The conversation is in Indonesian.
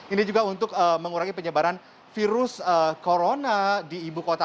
ini juga untuk mengurangi penyebaran virus corona di ibu kota